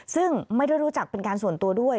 ซึ่งไม่ได้รู้จักเป็นการส่วนตัวด้วย